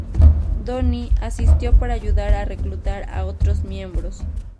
Donnie asistió para ayudar a reclutar a otros miembros.